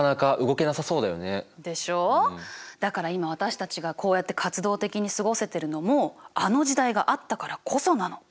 だから今私たちがこうやって活動的に過ごせてるのもあの時代があったからこそなの。